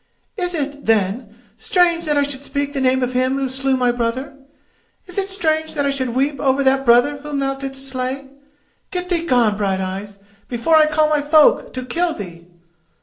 "Is it, then, strange that I should speak the name of him who slew my brother? Is it strange that I should weep over that brother whom thou didst slay? Get thee gone, Brighteyes, before I call my folk to kill thee!"